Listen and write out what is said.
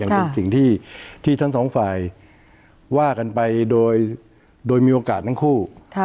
เป็นสิ่งที่ทั้งสองฝ่ายว่ากันไปโดยมีโอกาสทั้งคู่